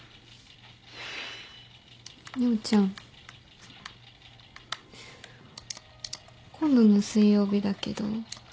陽ちゃん。今度の水曜日だけど。